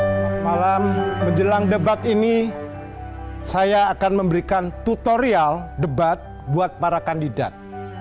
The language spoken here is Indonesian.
selamat malam menjelang debat ini saya akan memberikan tutorial debat buat para kandidat